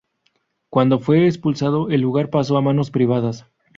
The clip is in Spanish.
Cuando fueron expulsado el lugar pasó a manos privadas.